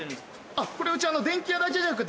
あっこれうち電器屋だけじゃなく。